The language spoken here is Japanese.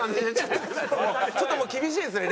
ちょっともう厳しいですね